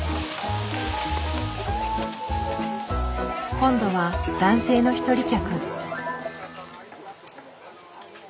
今度は男性の一人客。